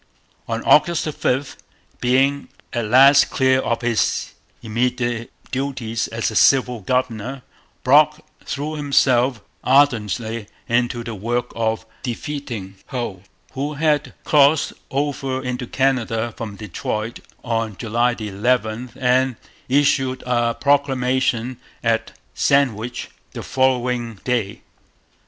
On August 5, being at last clear of his immediate duties as a civil governor, Brock threw himself ardently into the work of defeating Hull, who had crossed over into Canada from Detroit on July 11 and issued a proclamation at Sandwich the following day.